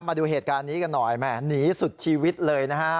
มาดูเหตุการณ์นี้กันหน่อยแหมหนีสุดชีวิตเลยนะฮะ